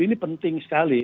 ini penting sekali